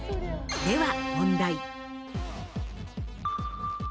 では問題。